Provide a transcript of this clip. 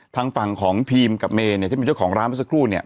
ทางฝั่งของพีมกับเมย์เนี่ยที่เป็นเจ้าของร้านเมื่อสักครู่เนี่ย